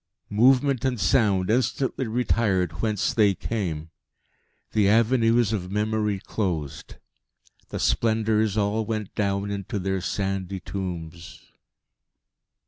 Movement and sound instantly retired whence they came. The avenues of Memory closed; the Splendours all went down into their sandy tombs....